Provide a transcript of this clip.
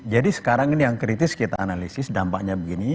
jadi sekarang ini yang kritis kita analisis dampaknya begini